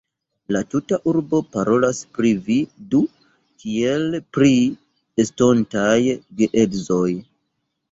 La tuta urbo parolas pri vi du kiel pri estontaj geedzoj.